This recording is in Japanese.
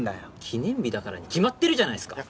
記念日だからに決まってるじゃないですか！